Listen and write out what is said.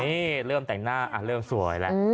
นี่เริ่มแต่งหน้าเริ่มสวยแล้ว